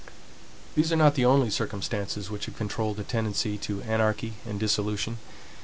These are not the only circumstances which have controlled the tendency to anarchy and dissolution.